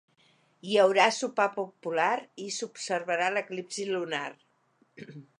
Hi haurà sopar popular i s’observarà l’eclipsi lunar.